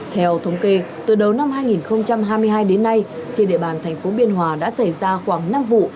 theo thống kê từ đầu năm hai nghìn hai mươi hai đến nay trên địa bàn thành phố biên hòa đã xảy ra khoảng năm vụ